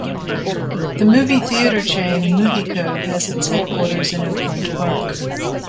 The movie theater chain Muvico has its headquarters in Oakland Park.